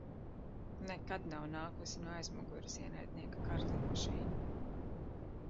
Nekad nav nākusi no aizmugures ienaidnieka kara lidmašīna.